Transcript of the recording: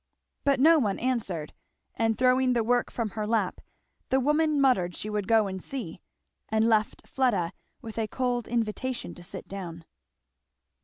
But no one answered, and throwing the work from her lap the woman muttered she would go and see, and left Fleda with a cold invitation to sit down.